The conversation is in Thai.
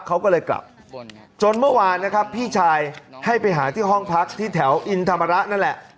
เขาก็เลยกลับจนเมื่อวานนะครับพี่ชายให้ไปหาที่ห้องพักที่แถวอินธรรมระนั่นแหละ